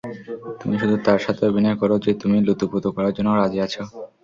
তুমি শুধু তার সাথে অভিনয় করো যে তুমি লুতুপুতু করার জন্য রাজি আছো।